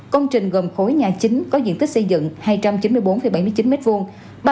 công trình gồm khối nhà chính có diện tích xây dựng hai trăm chín mươi bốn bảy mươi chín m hai